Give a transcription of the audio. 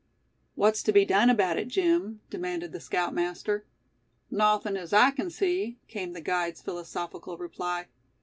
"What's to be done about it, Jim?" demanded the scoutmaster. "Nawthin' as I kin see," came the guide's philosophical reply.